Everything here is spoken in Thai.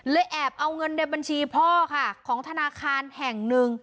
แอบเอาเงินในบัญชีพ่อค่ะของธนาคารแห่งหนึ่ง